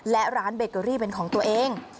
และร้านเบเกอรี่เป็นของตัวเอง